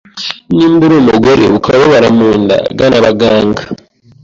Niba uri umugore ukaba ubabara munda gana abaganga